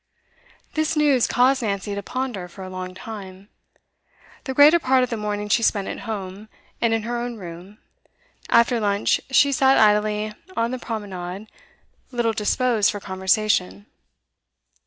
This news caused Nancy to ponder for a long time. The greater part of the morning she spent at home, and in her own room; after lunch, she sat idly on the promenade, little disposed for conversation.